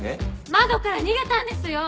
窓から逃げたんですよ！